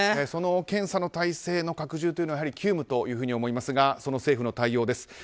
その検査の体制の拡充というのは急務と思いますが政府の対応です。